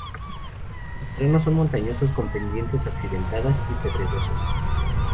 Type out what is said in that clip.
Los terrenos son montañosos con pendientes accidentadas y pedregosos.